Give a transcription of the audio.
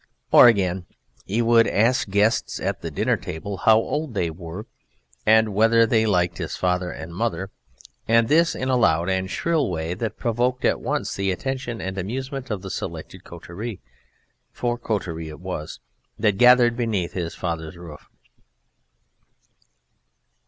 Or again, he would ask guests at the dinner table how old they were and whether they liked his father and mother, and this in a loud and shrill way that provoked at once the attention and amusement of the select coterie (for coterie it was) that gathered beneath his father's roof.